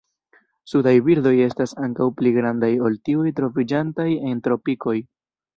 Sudaj birdoj estas ankaŭ pli grandaj ol tiuj troviĝantaj en tropikoj.